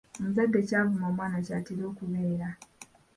Omuzadde ky’avuma omwana ky’atera okubeera.